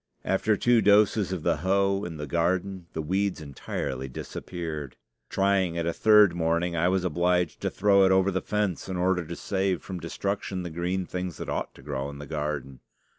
After two doses of the hoe in the garden the weeds entirely disappeared. Trying it a third morning, I was obliged to throw it over the fence in order to save from destruction the green things that ought to grow in the garden.